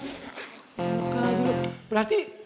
gak gitu berarti